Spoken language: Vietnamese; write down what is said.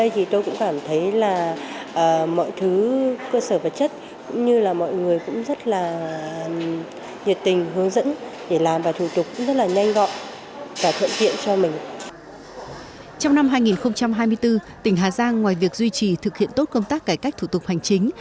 trong năm hai nghìn hai mươi bốn tỉnh hà giang ngoài việc duy trì thực hiện tốt công tác cải cách thủ tục hành chính